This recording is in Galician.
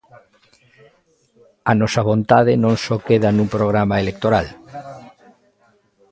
A nosa vontade non só queda nun programa electoral.